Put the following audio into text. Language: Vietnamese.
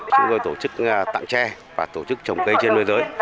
chúng tôi tổ chức tặng tre và tổ chức trồng cây trên môi giới